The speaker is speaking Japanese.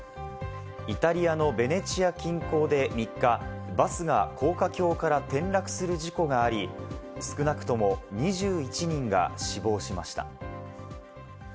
イタリアのベネチア近郊で３日、バスが高架橋から転落する事故があり、少なくとも２１人が死亡しました。